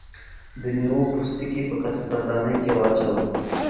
د مېوو پوستکي په کثافاتدانۍ کې واچوئ.